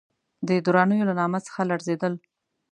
د درانیو له نامه څخه لړزېدل.